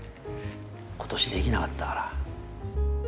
今年できなかったから。